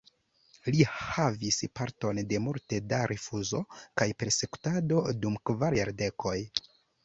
Li havis parton de multe da rifuzo kaj persekutado dum kvar jardekoj.